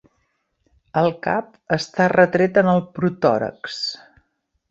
El cap està retret en el protòrax.